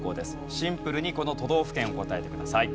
シンプルにこの都道府県を答えてください。